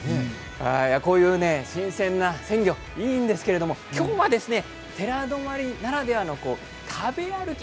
こういう新鮮な鮮魚もいいんですけど今日は寺泊ならではの食べ歩き